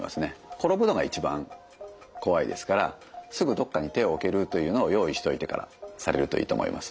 転ぶのが一番怖いですからすぐどっかに手を置けるというのを用意しておいてからされるといいと思います。